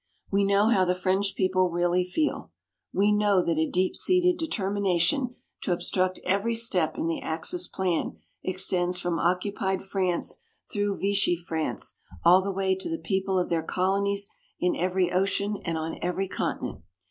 We know how the French people really feel. We know that a deep seated determination to obstruct every step in the Axis plan extends from occupied France through Vichy France all the way to the people of their colonies in every ocean and on every continent.